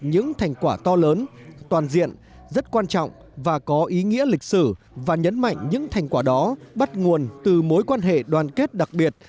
những thành quả to lớn toàn diện rất quan trọng và có ý nghĩa lịch sử và nhấn mạnh những thành quả đó bắt nguồn từ mối quan hệ đoàn kết đặc biệt